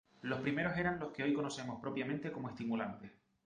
Los primeros eran los que hoy conocemos propiamente como estimulantes.